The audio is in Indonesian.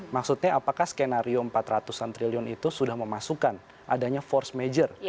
maksudnya apakah skenario empat ratus an triliun itu sudah memasukkan adanya force major